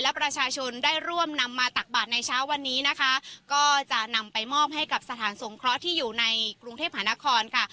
และประชาชนได้ร่วมนำมาตักบาทในเช้าวันนี้นะคะก็จะนำไปมอบให้กับสถานสงเคราะห์ที่อยู่ในกรุงเทพหานครค่ะ